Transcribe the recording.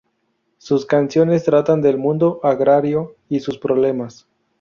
Sus canciones tratan del mundo agrario y sus problemas.